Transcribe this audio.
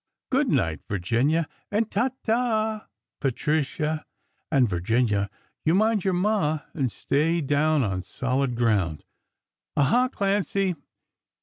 Good night, Virginia; and ta ta Patricia; and Virginia, you mind your Ma and stay down on solid ground! Aha, Clancy!